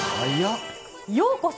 ようこそ！